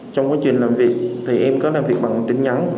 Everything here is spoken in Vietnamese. trong quá trình làm việc thì em có làm việc bằng tin nhắn